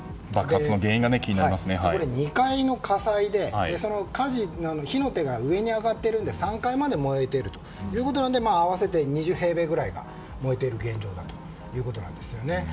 ２階の火災で、火の手が上に上がってるので、３階まで燃えているということなので合わせて２０平米ぐらいが燃えている現状だということなんですよね。